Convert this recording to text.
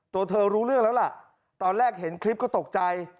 ตัวเธอรู้เรื่องแล้วล่ะตอนแรกเห็นคลิปก็ตกใจ